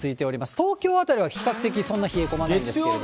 東京辺りは比較的そんな冷え込まないんですけど。